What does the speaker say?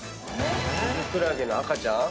ミズクラゲの赤ちゃん？